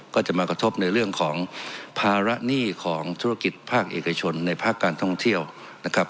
ก็จะมากระทบในเรื่องของภาระหนี้ของธุรกิจภาคเอกชนในภาคการท่องเที่ยวนะครับ